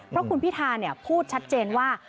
เพราะคุณพิทาเนี่ยพูดชัดเจนว่า